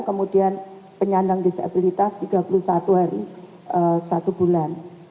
kemudian penyandang disabilitas rp tiga puluh satu satu bulan